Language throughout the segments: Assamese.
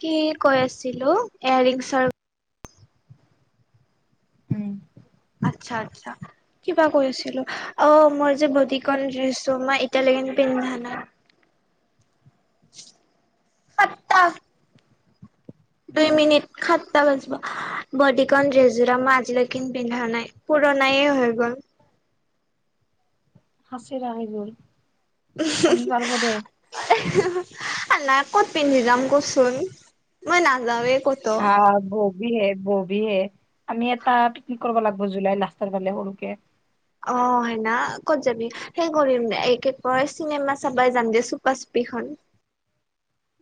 কি কৈ আছিলো এয়াৰিংছৰ উম আচ্ছা আচ্ছা কিবা কৈ আছিলো অ মোৰ যে বদিকন ড্ৰেছো মই ইটালিয়ান পিন্ধা নাই সটা দুই মিনিট সাতটা বাজবা বডিকন ড্ৰেছযোৰা মই আজিলৈকে পিন্ধা নাই পুৰণায়ে হৈ গ'ল। হাচি ৰাখিবই কণী পাৰব দে আ নাই ক'ত পিন্ধি যাম কচোন মই নাযাওে কত হা ব হে ববিহে আমি এটা পিকনিক কৰিব লাগিব জুলাই লাষ্টৰ ফালে সৰুকে অ হেনা ক'ত যাবি সেই কৰিম দে এই কি কয় চিনেমা চাবাই যাম দে চুপা চুপিখন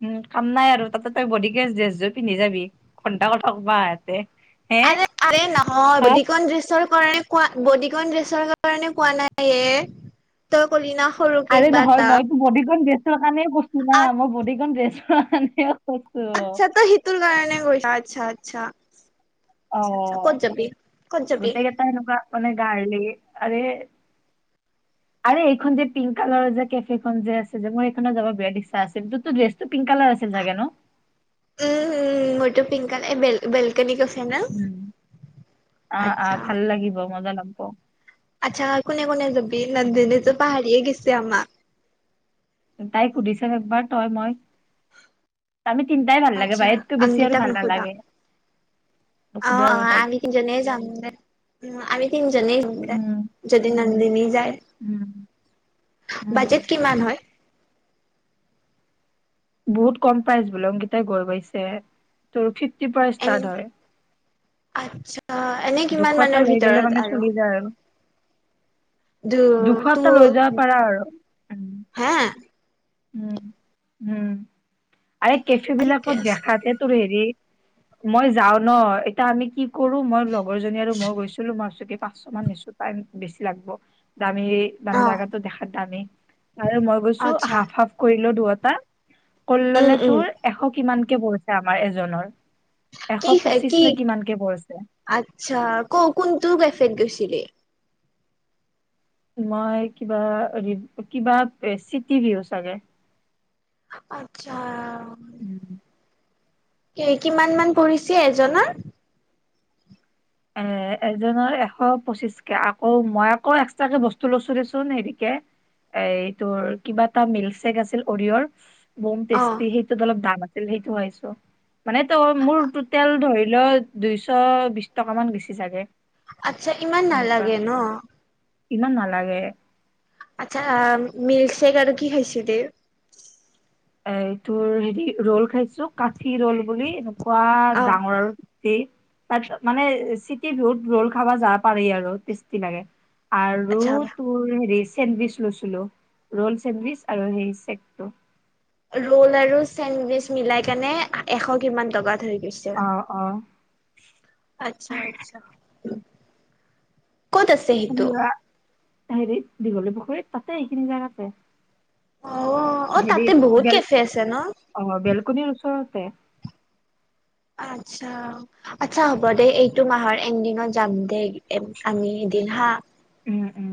উম কাম নাই আৰু তাতে তই বডিকে ড্ৰেছ জোৰ পিন্ধি যাবি ঘণ্টা কথা বা আহাতে হে আৰে আৰে নহয় হা বদিকন ড্ৰেছৰ কাৰণে কোৱা বডিকণ ড্ৰেছৰ কাৰণে কোৱা নাই হে তই কলি না সৰু কে আৰে কিবা নহয় এটা মইতো বডিকন ড্ৰেছৰ কাৰণে কৈছো না মই বডিকন ড্ৰেছৰ কাৰণে কৈছো সিটোৰ কাৰণে গৈছ আচ্ছা আচ্ছা, আচ্ছা আচ্ছা ক'ত যাবি কত যাবি তেনেকুৱা মানে গাৰলি আৰে [inaudible] আৰে এইখন যে পিংক কালাৰৰ যে কেফেখন যে আছে যে মোৰ এইখনত যাব বিয়া ইচ্ছা আছিল কিন্তু ড্ৰেছ ত পিংক কালাৰ আছিল চাগে ন। উম উম উম মোৰটো পিংক কালাৰে বেল বেলকনি কৈছে ন, উম আহ আহ আচ্ছা ভাল লাগিব মজা লাগব। আচ্ছা কোনে কোনে যাবি উম, নন্দনী যে পাহাৰিয়ে গৈছে আমাক। তাই সুধি চাম একবাৰ তই মই। আমি তিনটাই ভাল লাগে আচ্ছা বাহেতকৈ বেছি আৰু অংগীতাক ভাল নুসুধা নালাগে নোসুধো আৰু তাইক। তিনিজনেই যামওঁ আমি তিনিজনিয়ে যায় উম যদি নন্দিনী যায়। উম উম। বাজেট কিমান হয়। বহুত কম প্ৰাইজ বুলে অংকিতাই গৈ পাইছে ত ফ্ৰিটিৰ পৰা এন ষ্টাৰ্ট হয়। আচ্ছা এনে দুশ কিমান এটা মানৰ লৈ গেলে ভিতৰত মানে আৰু। চলি যায় আৰু দো দুশ তো এটা লৈ যাব পাৰা আৰু উম হে উম উম আৰে কেফ ঠিকে বিলাকত আছে দেখাতে তোৰ হেৰি মই যাওঁ ন এতিয়া আমি কি কৰো মই লগৰ জনী আৰু মই গৈছিলো মই চকী পাঁচশমান নিছো। টাইম বেছি লাগব দামি মানে অ জেগাতটো দেখাত দামেই আৰু মই গৈছো আচ্ছা হাফ হাফ কৰিলো দুয়টা ক উম ললে উম তোৰ এশ কিমানকে পৰিছে আমাৰ এজনৰ। এশ পঁচিশ নে কিমানকে পৰিছে। আত্চ্ছা ক কোনটো কেফত গৈছিলি। মই কিবা ৰিব কিবা চিটি ভিউ চাগে। আত্চ্ছা। উম। কিমান মান পৰিছে এজনৰ? এ এজনৰ এশ পঁচিছকে আকৌ মই আকৌ এক্সটাকে বস্তু লৈছো দেচোন হেৰিকে। এই তোৰ কিবা এটা মিল্ক শ্বেক আছিল অৰিঅৰ বম অ টেষ্টি সে- ত অলপ দাম আছিল সেইটো খাইছো। মানে ত মোৰ টোটেল ধৰি ল দুইশ বিশ টকামান গৈছে চাগে। আত্চ্ছা ইমান এনেকুৱা নালাগে ন। ইমান নালাগে। আচ্ছা মিল্কশ্বেক আৰু কি খাইছিলি? এ তোৰ হেৰি ৰল খাইছো কাঠি ৰল বুলি এনেকুৱা অ ডাঙৰ। তে তাৰছ মানে চিটি ৰোদ ৰল খাব যাব পাৰি আৰু টেষ্টি লাগে। আৰু আচ্ছা তোৰ হেৰি চেণ্ডবিচ লৈছিলো ৰল চেণ্ডবিচ আৰু সেই চেকটো। ৰল আৰু চেণ্ডবিচ মিলাই কিনে এশ কিমান টকাত হৈ গৈছে। অ অ। আত্চ্ছা আত্চ্ছা ক'ত আছ- কুমুৰা হেৰিত দীঘলী পুখুৰীত তাতে এইখিনি জেগাতে অ', অ', হেৰি তাতে বহুত বেল কেফে আছে ন? অ বেলকনিৰ ওচৰতে। আত্চ্ছা। আত্চ্ছা হ'ব দে এইটো মাহৰ এন দিনত যাম দেই আমি এদিন হা। উম উম।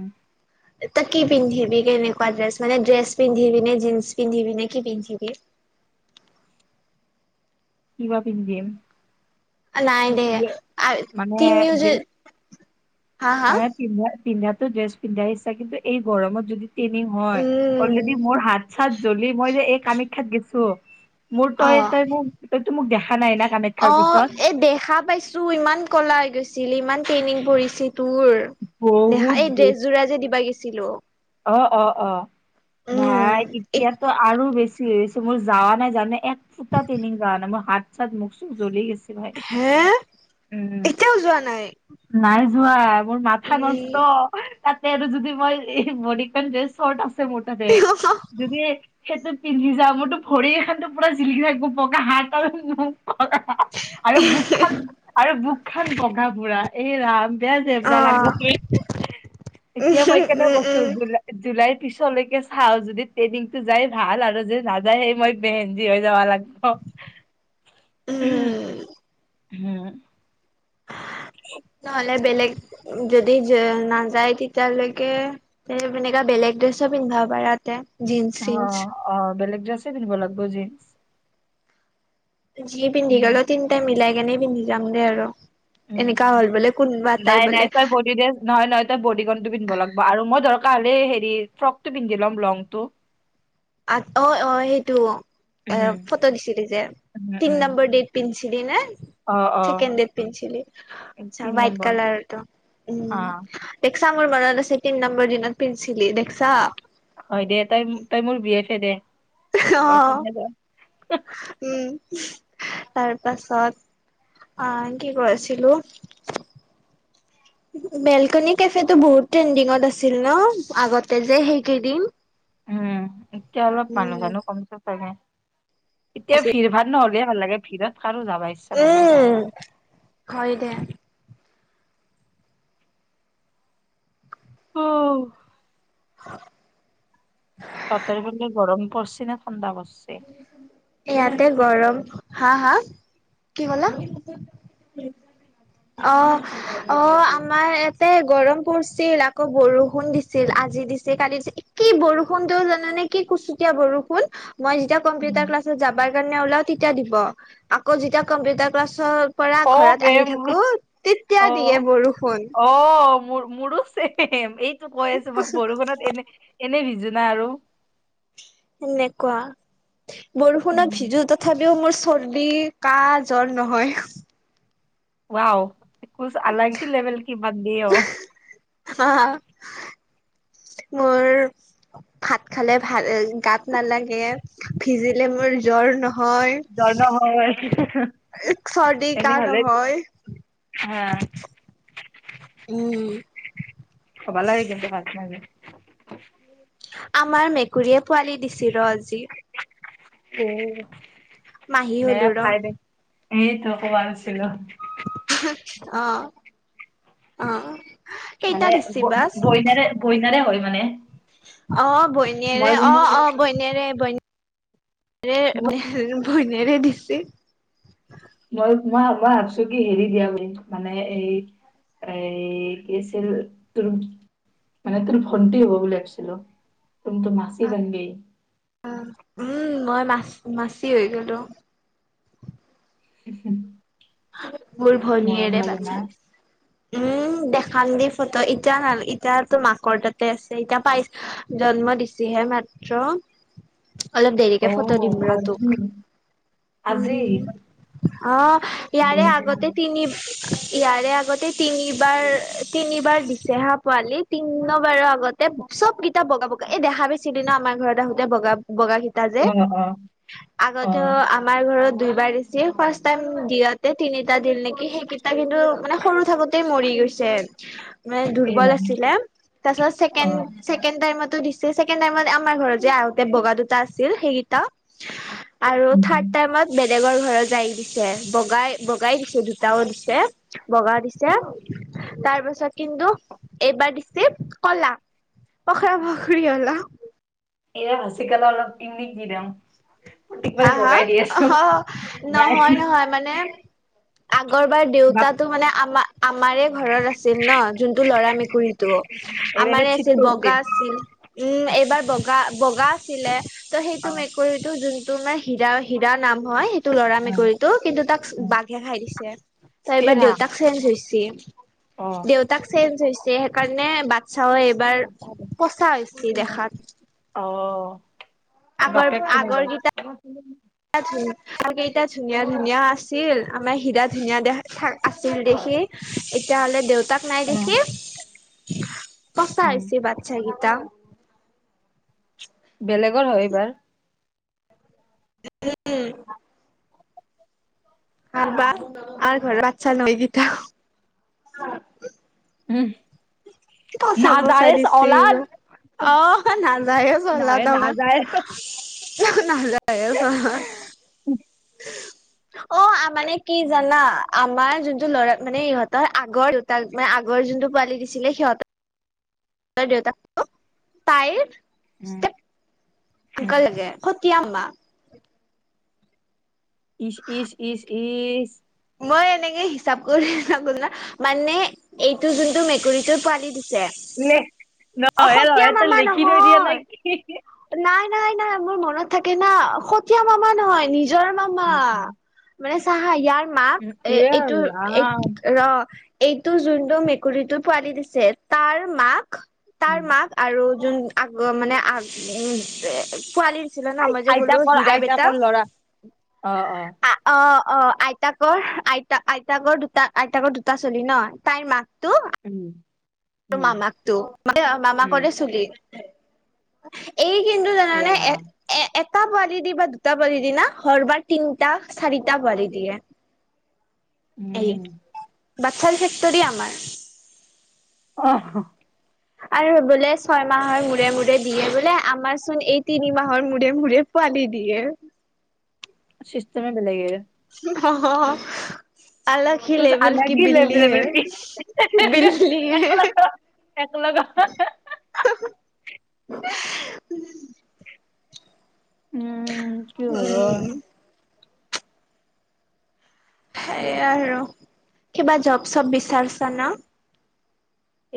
তই কি পিন্ধিবি কেনেকুৱা ড্ৰেছ মানে ড্ৰেছ পিন্ধিবি নে, জিন্স পিন্ধিবি নে, কি পিন্ধিবি? কিবা পিন্ধিম নাই দে [unintelligible] মানে তিনিওযো ড্ৰে- হা হা মানে পিন্ধা পিন্ধাটো ড্ৰেছ পিন্ধা ইচ্ছা কিন্তু এই গৰমত যদি তিনি হয় উম অলৰেডি মোৰ হাত চাত জ্বলি মই যে এই কামাখ্যাত গেছো। মোৰ তয় অ'। ত মোৰ ততো মোক দেখা নাই না। কামাখ্যাৰ অ পিছত এ দেখা পাইছো ইমান কলা হৈ গৈছিল ইমান ট্ৰেইনিং পৰিছে তোৰ। দেখা বহুত এই ড্ৰেছ বেছি যোৰা যে দিবা গেছিলো। অ অ অ উম ভাই এতিয়াত আৰু বেছি হৈছে। মই যাৱা নাই জানে এক ফুটা টেনিং যাৱা নাই মোৰ হাত চাত মুখ চখ জ্বলি গৈছ- হে এতিয়াও যোৱা নাই। নাই যোৱা মোৰ মাথা ই নষ্ট তাতে আৰু যদি মই বৰিকন যে শট আছে মোৰ তাতে। অ', উম, যদি সেইটো পিন্ধি যাও মোৰ ত ভৰি এখানটো পুৰা জিলিকি থাকিব পকা হাত তাল মোক [unintelligible] আৰু বুক খান আৰু বুক খান বগা বুঢ়া এই ৰাম বেয়া যে [unintelligible] মই উম, কেনে কৈছো উম, জুলা- জুলাইৰ পিছলৈকে চাও যদি ট্ৰেইনিং টো যাই ভাল আৰু যে নাযায় সেই মই বেহেনজি হৈ যাব লাগ- অ হম উম, হম। নহ'লে বেলেগ যদি নাযায় তেতিয়ালৈকে তে এনেকা বেলেগ ড্ৰেছৰ পিন্ধবা পাৰা তে জীন্স অ চিন্স অ বেলেগ ড্ৰেছে পিন্ধিব লাগিব জীন্স যি পিন্ধি উম গলো তিনটাই মিলাই কেনে পিন্ধি যাম দে আৰ। এনেকা উম। হ'ল বোলে কোনোবা তাই নাই নাই বোলে তই বডি ড্ৰেছ নহয় নহয় তই বডিকনটো পিন্ধব লাগিব আৰু মই ধৰ হেৰি ফ্ৰক টো পিন্ধি ল'ম লং টো আ অ অ সেইটো এ উম ফটো দিছিলো যে উম তিন উম নম্বৰ ডেট পিন্ধিছিল নে? অ অ ছেকেণ্ড দেত পিন্ধছিলো, তিন হাইট নম্বৰ কালাৰটো হা উম। দেখিছা মোৰ মনত আছে নম্বৰ দিনত পেন্ঞ্চিলি দেকসা। হয় দে তাই তাই মোৰ বিয়েফে দে। তই অঁ কোনদিনা যাৱ? উম তাৰ পাছত- আহঁ কি কৈ আছিলো। বেলকনি কেফে টো বহুত ট্ৰেণ্ডিঙত আছিল ন? আগতে যে সেইকেইদিন- উম এতিয়া অলপ মানুহ উম। চানুহ কমিছে চাগে। এতিয়া ভিৰ ভা় নহ'লে ভাল লাগে। ভিৰত কাৰো যাব ইচ্ছা নাযায় তাই। উম, হয় দে। অ হ [unintelligible] তহঁতৰ সেইপিনে গৰম পৰিছে না ঠাণ্ডা পৰিছে? ইয়াতে গৰম হা হা কি কলা? অ অ আমাৰ ইয়াতে গৰম পৰিছিল আকৌ বৰষুণ দিছিল আজি দিছে কালি দিছে। কি বৰষুণটো জানানে কি কুচুতীয়া বৰষুণ- মই যেতিয়া কম্পিউটাৰ ক্লাছত যাবাৰ কাৰণে ওলাও তেতিয়া দিব, আকৌ যেতিয়া কম্পিউটাৰ ক্লাছত- পৰা অ ঘৰত বে আহি মোৰ থাকো, তেতিয়া অ দিয়ে বৰষুণ। অ মোৰ মোৰো চেমে এইটো কৈ আছো মই বৰষুণত এনে- এনেই বিজুনা আৰু। সেনেকুৱা বৰষুণৰ উম ভিজো তথাপি। যদিও মোৰ চৰ্দি কাহ জ্বৰ নহয়। ৱাও কছ অলগ হি লেবেল কি বানদি হ‌ঔ। অ মোৰ ভাত খালে ভাল গাত নালাগে, ভিজিলে মোৰ জ্বৰ নহয়। জ্বৰ নহয়। চৰ্দি কাৰ নহয়। হা উম। হ'বলা হেকেন্ত বাত মাগে। আমাৰ মেকুৰীয়ে পোৱালি দিছিল ৰ আজি। মাহী হলো বেয়া ৰ। পাই সেইটো কমালছিলো। অহঁ অহঁ। মানে বইনাৰে বইনাৰে হয় মানে। অ বনীয়েৰে মই অ বোলো অ বৈন- বনেৰে মোক ব বৈনিৰে দিছে। মই মই মই ভাবছো কি হেৰি দিয়া বুলি মানে এই- এই কি আছিল তোৰ- মানে তোৰ ভন্টি হব বুলি ভাবিছিলো তুমি তোৰ মাছি দংগি। উম মই মাছ মাছি হৈ গলো। [unintelligible] মৰম মোৰভনীয়েৰে লাগে না বাচছে উম। দেখাম দি ফটো ইটা নাল ইত তো মাকৰ তাতে আছে ইতিয়া পাইছ জন্ম দিছেহে মাত। ৰ অলপ অ দেৰিকে ফটো দিম ৰ আজি তোক। আজি উম, অঁ দে ইয়াৰে আগতে- তিনি ইয়াৰে আগতে তিনিবাৰ তিনিবাৰ দিছে হা পোৱালিত। তিন বাৰৰ আগতে চব কিতাপ বগা বগা এই দেখা বেছিলি ন আমাৰ ঘৰত আহোতে বগা বগা ক- যে অ অ অ আগতে আমাৰ ঘৰত দুইবাৰ দিছে ফাৰ্ষ্ট টাইম দি - তিনিটা দিল নেকি সেইকেইটা কিন্তু মানে সৰু থাকোতেই মৰি গৈছে। মানে দুৰ্বল এইবাৰ আছিলে, তাৰ পিছত অ ছেকেণ্ড- ছেকেণ্ড টাইমো দিছে ছেকেণ্ড টাইমত আমাৰ ঘৰত যে আহোতে বগা দুটা আছিল সেইকেইটা আৰু উম থাৰ্ড টাইমত বেলেগৰ ঘৰত যায় দিছে বগাই বগাই দিছে দুটাও দিছে বগা দিছে তাৰ পাছত কিন্তু এইবাৰ দিছে কলা পখৰা পখৰি অলা এয়া ভচিকালে অলপ ইি [unintelligible] কি দম হা-হা অ নাই নহয়-নহয় মানে আগৰ বাৰ বাপ দেউতাটো মানে আমাৰ-আমাৰে ঘৰত আছে আছিল ন যোনটো লৰা মেকুৰীতটো এইবাৰ এইবাৰ আমাৰে চিট আছিল কৰিছে বগা আছিল৷ উম এইবাৰ বগা-বগা আছিলে ত' সেইটো অ মেকুৰীটো যোনটো মানে হীৰা হিৰা নাম হয় সেইটো লৰা অ মেকুৰীতটো কিন্তু তাক অ বাঘে খাই দিছে তাৰ এ এইবাৰ ৰাম দেউতাক চেঞ্জ হৈছে অ দেউতাক চেঞ্জ হৈছে সেইকাৰণে বা চাও এইবাৰ পচা হৈছে দেখাত৷ অ বাপেক কোন এইবাৰ? [unintelligible] ত কেইটা ধুনীয়া-ধুনীয়া আছিল আমাৰ হিৰা ধুনীয়া দে থ আছিল দেখি এতিয়াহলে দেউতাক নাই অ দেখি কঁচা উম হৈছে বাচ্ছা কেইটা৷ বেলেগৰ হয় বা? [unintelligible] বা ঘৰত বাচ্ছা ন এইকেটা [unintelligible] উম। পচা-পচা নাজায়েজ অলাদ দিছেবাৰ অ নাযাও চলা নহয় তোমাৰ। নাজায়েজ নাজাইছ [unintelligible] অ মানে কি জানা? আমাৰ যোনটো ল'ৰা মানে ইহঁতৰ আগৰ দেউতাক মানে আগৰ যোনটো পোৱালি দিছিলে সিহঁতৰ দেউতা [unintelligible] তাইৰ উম উম আকাল [unintelligible] লাগে সতিয়া আমা ইচ্-ইচ্-ইচ্-ইচ্ মই এনেকে হিচাপ কৰি থাকো ন মানে এইটো যোনটো মেকুৰীটোৰ পোৱালি দিছে৷ ন অ সতীয়া নহয়ে-নহয়ে ত লিখি থৈ দিয়া নাই কি নাই-নাই-নাই মোৰ মনত থাকে না সতিয়া মামা নহয় নিজৰ উম মামা৷ মানে চাহা ইয়াৰ মাক উম এ এইটো ৰাম ৰ এইটো যোনটো মেকুৰীটো পোৱালি দিছে তাৰ মাক তাৰ উম। মাক আৰু যোন আগ মানে আগ উ এ পোৱালি ছিল ন আই মই যে গ'লো আইতাকৰ হিৰা বেটা আইতাকৰ ল'ৰা অ অ অ-অ আইতাকৰ আইতা আইতাকৰ দুটা আইতাকৰ দুটা চলি ন, তাইৰ মাকতো উম তোৰ উম মামাকটো, মানে উম মামাকৰে চলি৷ এই কিন্তু জানানে এ এ এটা পোৱালি দি বা দুটা পোৱালি দি না ধৰবাৰ তিনিটা চাৰিটা পোৱালি দিয়ে। এই উম বাচ্ছাৰ ফেক্টৰি আমাৰ। অ আৰু বোলে ছয় মাহৰ মূৰে-মূৰে দিয়ে বোলে। আমাৰ চোন এই তিনি মাহৰ মূৰে-মূৰে পোৱালী দিয়ে। চিষ্টেমে বেলেগে এ হ-হ অলগ হি কুছ লেবেল আলাগ কি হি বিল্লী হে, লেভেল কি বিল্লী হে৷ একলগে উম কি হব৷ সেইয়া আৰু। কিবা জব চব বিচাৰছা ন?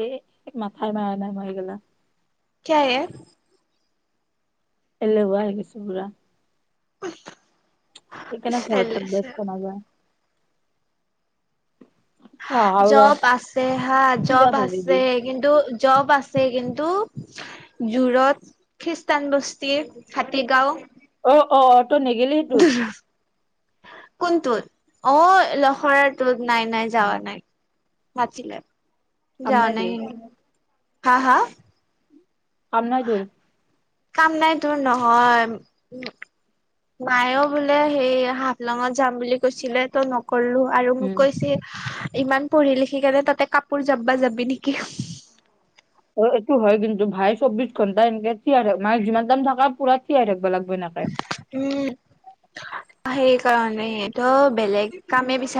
এ এক মাথাই মৰা নাই মই এইগেলা। কিয় এ? এলেহুৱা হৈ গৈছো পুৰা। [unintelligible] সেইকাৰণে ঘৰ থাকব ক'তৌ নাযায়। অ আৰু ৰ জব আছে হা, চিৰা জব ভাজি আছে। দি। কিন্তু জব আছে কিন্তু, জো'ৰড, খ্ৰীষ্টানবস্তি, হাটীগাঁও, অ অ, ত নেগিলি সেইটোত। কোনটোত, অ লখৰাটোত নাই নাই যাৱা নাই। মাতিলে কাম যোৱা তোৰ নাই হা হা? কাম নাই তোৰ। কাম নাই তোৰ নহয় উম। মাইও বোলে সেই হাফলঙত যাম বুলি কৈছিলে, তো নকৰিলো হ আৰু মোক উম, কৈছে, ইমান পঢ়ি লিখি কেনে তাতে কাপোৰ যাববা যাবি নিকি। অ এইটো হয়, কিন্তু ভাই চৌবিশ ঘণ্টা এনেকে থিয় থাক নাই যিমান টাইম থাকা পুৰা থিয় হৈ থাকব লাগবা না উম, সেইকাৰণে তো বেলেগ কামে বিচাৰ -